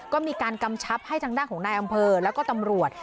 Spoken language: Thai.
ก็มีการกำชับให้ทางด้านของนายอำเภอแล้วก็ตำรวจ